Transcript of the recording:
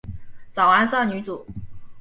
早安少女组。